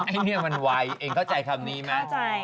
ไอ้เนี่ยมันไหวเองเข้าใจคำนี้มั้ย